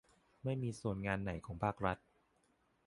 ไม่มีส่วนงานไหนของภาครัฐ